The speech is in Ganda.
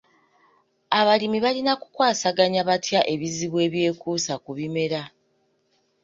Abalimi balina kukwasaganya batya ebizibu ebyekuusa ku bimera?